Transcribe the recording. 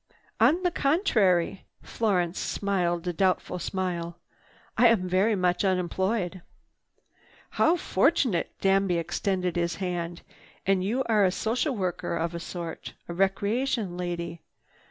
"On the contrary," Florence smiled a doubtful smile, "I am very much unemployed." "How fortunate!" Danby extended his hand. "And you are a social worker of a sort, a recreation lady.